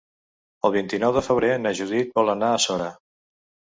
El vint-i-nou de febrer na Judit vol anar a Sora.